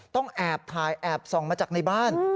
ต้องแอบถ่ายแอบส่องมาจากในบ้าน